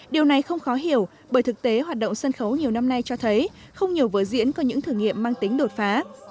điều này không khó hiểu bởi thực tế hoạt động sân khấu nhiều năm nay cho thấy không nhiều vở diễn có những thử nghiệm mang tính đột phá